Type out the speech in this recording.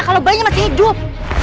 kalau bayinya masih hidup